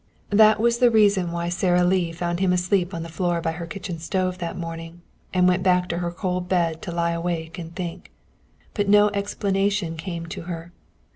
That was the reason why Sara Lee found him asleep on the floor by her kitchen stove that morning, and went back to her cold bed to lie awake and think. But no explanation came to her.